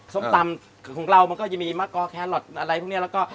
ส้มตำของเรามันก็จะมีมะกอแครอทอะไรพวกนี้แล้วก็